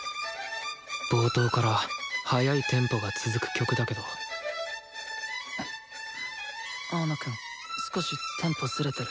冒頭から速いテンポが続く曲だけど青野くん少しテンポズレてる。